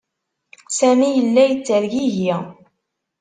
Sami yella yettergigi.